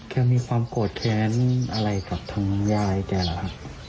มีความโกรธแค้นอะไรกับทางยายแกหรือครับ